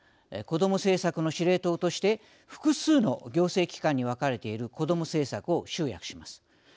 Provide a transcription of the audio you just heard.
こども政策の司令塔として複数の行政機関に分かれているこども政策を集約します。